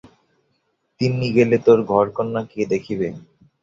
তিন্নি গেলে তোর ঘরকন্না কে দেখিবে।